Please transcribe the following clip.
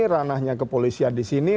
ranahnya kepolisian disini